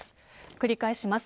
繰り返します。